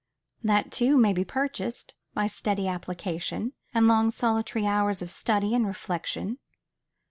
That too may be purchased by steady application, and long solitary hours of study and reflection.